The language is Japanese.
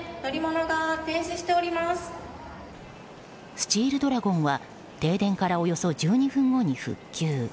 スチールドラゴンは停電からおよそ１２分後に復旧。